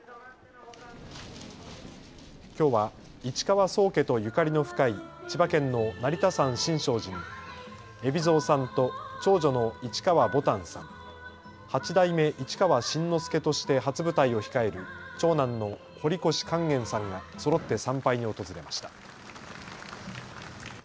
きょうは市川宗家とゆかりの深い千葉県の成田山新勝寺に海老蔵さんと長女の市川ぼたんさん、八代目市川新之助として初舞台を控える長男の堀越勸玄さんがそろって参拝に訪れました。